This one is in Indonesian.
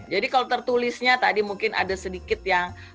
jadi kalau tertulisnya tadi mungkin ada sedikit yang